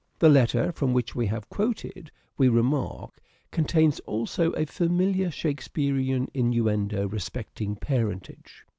The letter from which we have quoted, we remark, contains also a familiar Shakespearean innuendo respecting parentage.